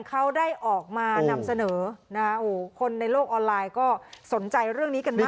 เขาได้ออกมานำเสนอคนในโลกออนไลน์ก็สนใจเรื่องนี้กันบ้าง